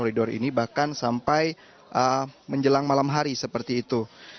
koridor ini bahkan sampai menjelang malam hari seperti itu